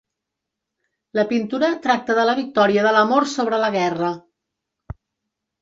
La pintura tracta de la victòria de l'amor sobre la guerra.